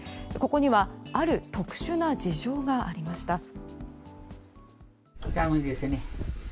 ここにはある特殊な事情がありました。